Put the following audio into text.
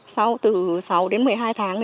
sau từ sáu đến một mươi hai tháng